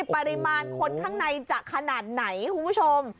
ปริมาณคนข้างในจะขนาดไหนคุณผู้ชม